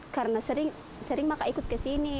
karena sering sering maka ikut ke sini